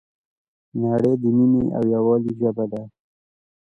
نړۍ د مینې او یووالي ژبه ده.